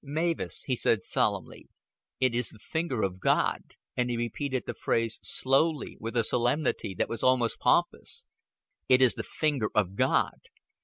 "Mavis," he said solemnly, "it is the finger of God." And he repeated the phrase slowly, with a solemnity that was almost pompous. "It is the finger of God.